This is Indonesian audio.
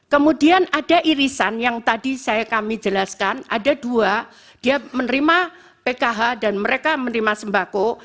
kemudian ada irisan yang tadi kami jelaskan ada dua dia menerima pkh dan mereka menerima sembako